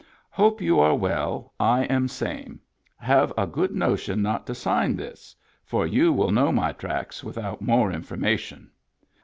Hope you are well I am same Have a good notion not to sine this for you will know my tracks without more information.